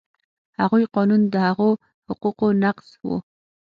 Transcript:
هغوی قانون د هغو حقوقو نقض و.